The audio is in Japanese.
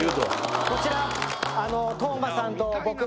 こちら